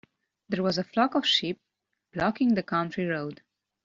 There was a flock of sheep blocking the country road.